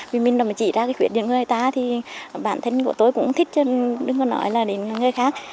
vì mình chỉ ra cái khuyết điểm người ta thì bản thân của tôi cũng thích đừng có nói là đến người khác